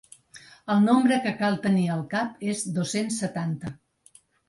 El nombre que cal tenir al cap és dos-cents setanta.